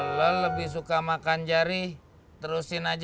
kalau lu lebih suka makan jari terusin aja